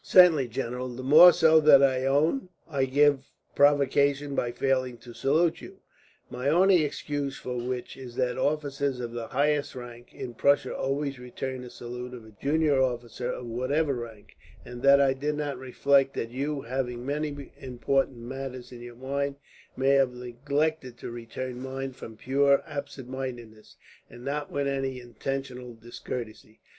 "Certainly, general, the more so that I own I gave provocation by failing to salute you my only excuse for which is that officers of the highest rank, in Prussia, always return the salute of a junior officer, of whatever rank; and that I did not reflect that you, having many important matters in your mind, might have neglected to return mine from pure absent mindedness, and not with any intentional discourtesy.